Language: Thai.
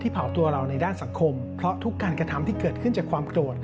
เพราะทุกการกระทำที่เกิดขึ้นจากความโกรธ